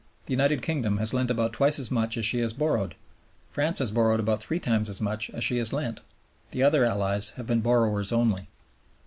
The United Kingdom has lent about twice as much as she has borrowed. France has borrowed about three times as much as she has lent. The other Allies have been borrowers only.